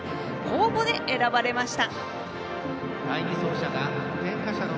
公募で選ばれました。